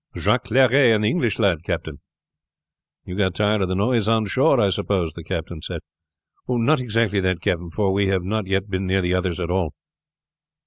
"Jacques Clery and the English lad, captain." "You got tired of the noise on shore, I suppose?" the captain said. "Not exactly that, captain, for we have not been near the others at all.